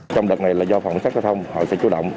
trong đợt này là do phòng cảnh sát giao thông họ sẽ chủ động